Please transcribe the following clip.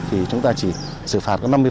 thì chúng ta chỉ xử phạt